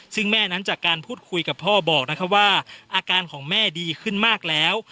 ซึ่งแม่นั้นจากการพูดคุยกับพ่อบอกนะครับว่าอาการของแม่ดีขึ้นมากแล้ว